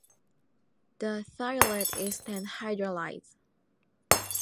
The thiolate is then hydrolyzed